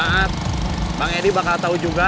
saat bang edi bakal tahu juga